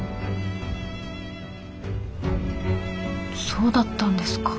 そうだったんですか。